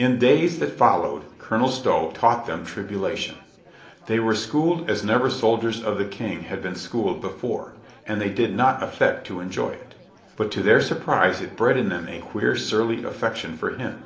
In days that followed Colonel Stow taught them tribulation. They were schooled as never soldiers of the King had been schooled before, and they did not affect to enjoy it. But to their surprise it bred in them a queer surly affection for him.